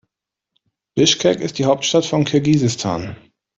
Bischkek ist die Hauptstadt von Kirgisistan.